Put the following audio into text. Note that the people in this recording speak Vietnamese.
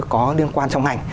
có liên quan trong ngành